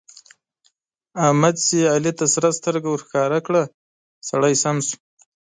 احمد چې علي ته سره سترګه ورښکاره کړه؛ سړی سم شو.